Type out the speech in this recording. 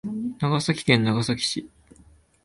長崎県長崎市